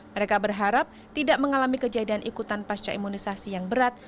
mereka berharap tidak mengalami kejadian ikutan pasca imunisasi yang berat